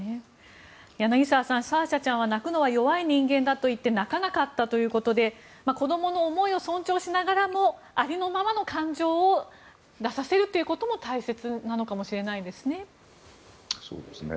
柳澤さんサーシャちゃんは泣くのは弱い人間だと言って泣かなかったということで子供の思いを尊重しながらもありのままの感情を出させるということも大切なのかもしれないですね。